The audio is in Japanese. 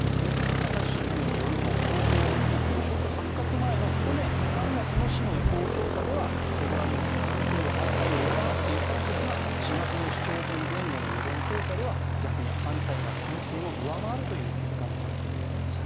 朝日新聞によると東京オリンピック汚職発覚前の去年３月の市の意向調査ではご覧のように賛成が反対を上回っていたんですが４月の市長選前後の世論調査では逆に反対が賛成を上回るという結果になっているようです。